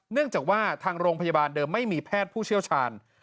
เนื่องจากว่าทางโรงพยาบาลเดิมไม่มีแพทย์ผู้เชี่ยวชาญ